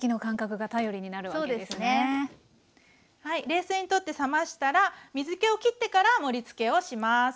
冷水にとって冷ましたら水けをきってから盛りつけをします。